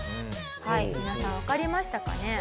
はい皆さんわかりましたかね？